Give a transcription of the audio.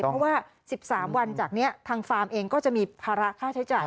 เพราะว่า๑๓วันจากนี้ทางฟาร์มเองก็จะมีภาระค่าใช้จ่าย